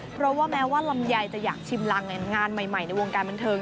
เพราะว่าแม้ว่าลำไยจะอยากชิมรังงานใหม่ในวงการบันเทิง